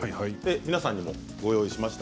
皆さんにもご用意しました。